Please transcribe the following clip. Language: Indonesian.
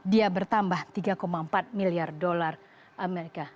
dia bertambah tiga empat miliar dolar amerika